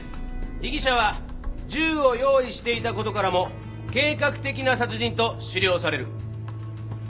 被疑者は銃を用意していたことからも計画的な殺人と思量される。